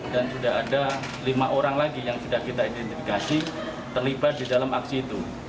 dan sudah ada lima orang lagi yang sudah kita identifikasi terlibat di dalam aksi itu